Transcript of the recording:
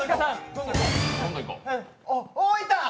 大分。